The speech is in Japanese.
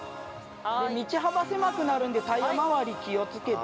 ◆道幅狭くなるんで、タイヤまわり気をつけて。